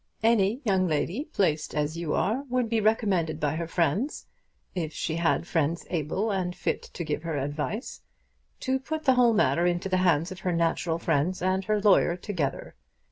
Any young lady placed as you are would be recommended by her friends, if she had friends able and fit to give her advice, to put the whole matter into the hands of her natural friends and her lawyer together.